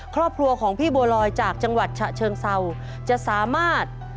ครอบครัวของพี่บัวลอยจากจังหวัดเชอะเชิงเซา